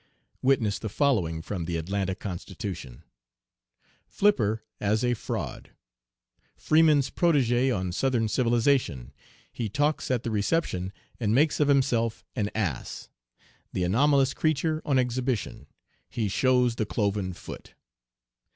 Witness the following from the Atlanta Constitution: FLIPPER AS A FRAUD. FREEMAN'S PROTEGE ON SOUTHERN CIVILIZATION HE TALKS AT THE RECEPTION AND MAKES OF HIMSELF AN ASS THE ANOMALOUS CREATURE ON EXHIBITION HE SHOWS THE CLOVEN FOOT.